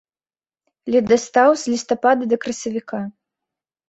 Ледастаў з лістапада да красавіка.